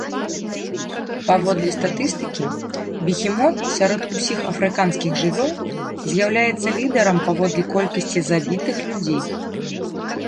Паводле статыстыкі, бегемот сярод усіх афрыканскіх жывёл з'яўляецца лідарам паводле колькасці забітых людзей.